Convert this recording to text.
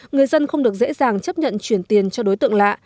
người dân không được dễ dàng chấp nhận chuyển tiền cho đối tượng lạ